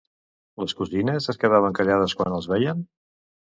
Les cosines es quedaven callades quan els veien?